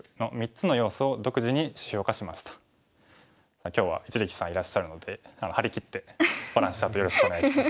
さて今回も今日は一力さんいらっしゃるので張り切ってバランスチャートよろしくお願いします。